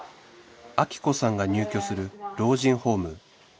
アキ子さんが入居する老人ホーム